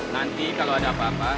nanti kalau ada apa apa